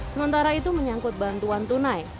sementara itu menyangkut bantuan tunai